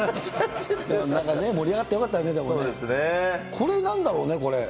これなんだろうね、これ。